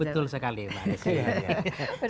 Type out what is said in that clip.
betul sekali pak ahmadi